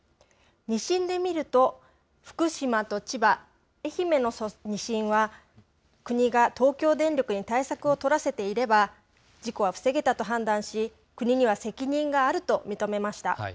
２審で見ると、福島と千葉、愛媛の２審は国が東京電力に対策を取らせていれば事故は防げたと判断し、国には責任があると認めました。